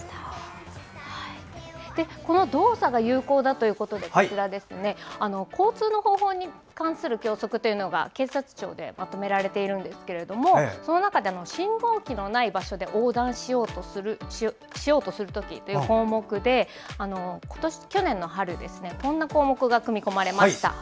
この動作が有効だということで交通の方法に関する教則というのが警察庁でまとめられているんですがその中で、信号機のない場所で横断しようとする時という項目で去年の春、こんな項目が組み込まれました。